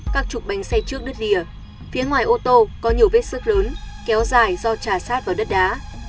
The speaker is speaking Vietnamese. các trục bánh xe trước đứt rìa phía ngoài ô tô có nhiều vết sức lớn kéo dài do trà sát vào đất đá